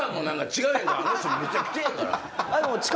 あの人むちゃくちゃやから。